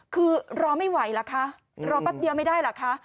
คือรอไม่ไหวล่ะคะรอแป๊บเดียวไม่ได้ล่ะคะ